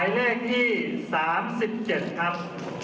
๒๒นะครับ